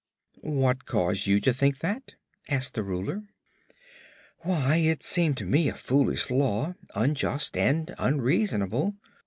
"What caused you to think that?" asked the Ruler. "Why, it seemed to me a foolish law, unjust and unreasonable.